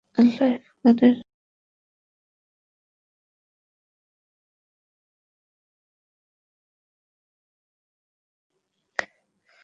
Live গানের অনুষ্ঠান দেখে মনে হলো, এসবে একটু পরিবর্তন আনা দরকার।